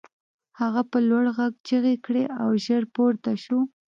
هغه په لوړ غږ چیغې کړې او ژر پورته شو